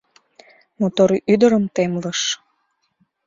Мотор ӱдырым темлыш.